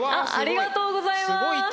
ありがとうございます。